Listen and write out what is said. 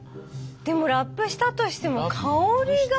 でもラップをしたとしても香りが。